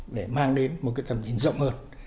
để mang đến một cái tầm nhìn rộng hơn